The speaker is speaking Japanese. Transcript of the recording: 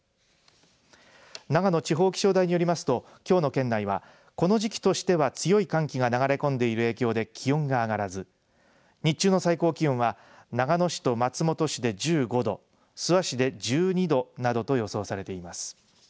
長野地方気象台によりますときょうの県内はこの時期としては強い寒気が流れ込んでいる影響で気温が上がらず日中の最高気温は長野市と松本市で１５度諏訪市で１２度などと予想されています。